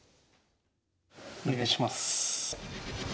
お願いします。